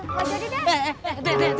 gak jadi dad